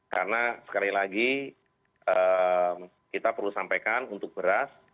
karena sekali lagi kita perlu sampaikan untuk beras